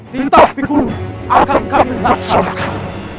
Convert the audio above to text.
tintas pikulun akan kami hasilkan